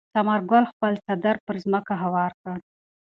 ثمر ګل خپل څادر پر ځمکه هوار کړ.